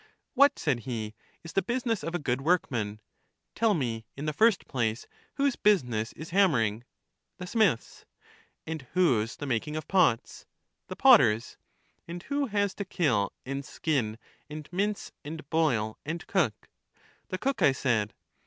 What, said he, is the business of a good workman? tell me, in the first place, whose business is ham mering? The smith's. And whose the making of pots? The potter's. And who has to kill and skin and mince and boil and cook? The cook, I said.